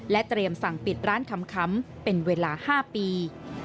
เตรียมสั่งปิดร้านคำเป็นเวลา๕ปี